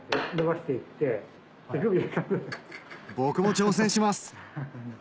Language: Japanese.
僕も挑戦します